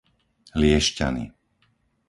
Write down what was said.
Liešťany